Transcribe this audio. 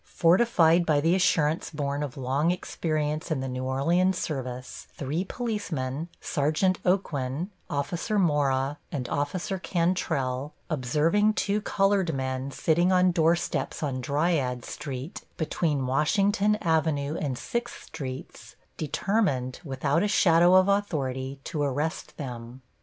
Fortified by the assurance born of long experience in the New Orleans service, three policemen, Sergeant Aucoin, Officer Mora and Officer Cantrelle, observing two colored men sitting on doorsteps on Dryades street, between Washington Avenue and 6th Streets, determined, without a shadow of authority, to arrest them.